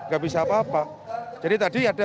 gak bisa apa apa jadi tadi ada